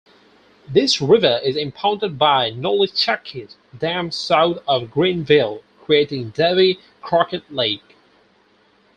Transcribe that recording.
This river is impounded by Nolichucky Dam south of Greeneville, creating Davy Crockett Lake.